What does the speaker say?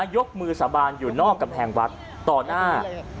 ยกมือสาบานอยู่นอกกำแพงวัดต่อหน้า